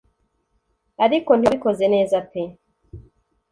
Ariko ntiwabikoze neza pe